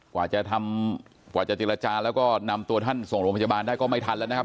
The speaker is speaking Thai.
กว่าจะทำกว่าจะเจรจาแล้วก็นำตัวท่านส่งโรงพยาบาลได้ก็ไม่ทันแล้วนะครับ